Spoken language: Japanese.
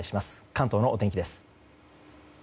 関東のお天気です。